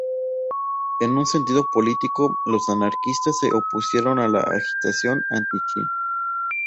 En un sentido político, los anarquistas se opusieron a la agitación anti-china.